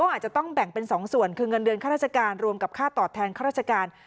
อาจจะต้องแบ่งเป็น๒ส่วนคือเงินเดือนข้าราชการรวมกับค่าตอบแทนข้าราชการ